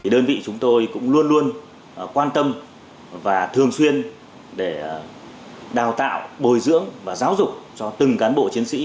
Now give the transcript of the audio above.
đơn vị chúng tôi cũng luôn luôn quan tâm và thường xuyên để đào tạo bồi dưỡng và giáo dục cho từng cán bộ chiến sĩ